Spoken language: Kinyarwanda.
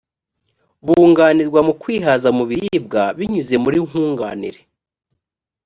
bunganirwa mu kwihaza mu biribwa binyuze muri nkunganire